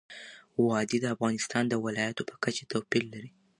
وادي د افغانستان د ولایاتو په کچه توپیر لري.